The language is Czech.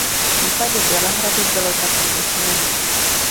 V případě Bělehradu bylo tak i učiněno.